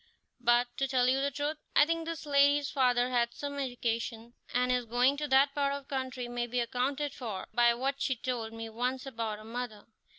But, to tell you the truth, I think this lady's father had some education, and his going to that part of the country may be accounted for by what she told me once about her mother.